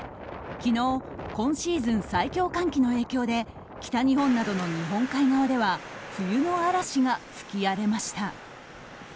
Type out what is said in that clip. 昨日、今シーズン最強寒気の影響で北日本などの日本海側では冬の嵐が吹き荒れました。